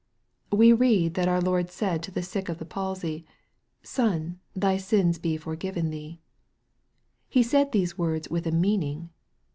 We read that our Lord said to the sick of the palsy, " Son, thy sins be forgiven thee." He said these words with a meaning.